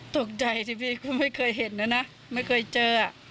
ตกใจที่พี่ไม่เคยเห็นแล้วนะไม่เคยเจอ